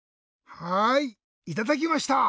はいいただきました！